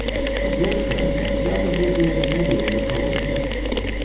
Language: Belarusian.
Па-першае, на свята будзе не вельмі халодна.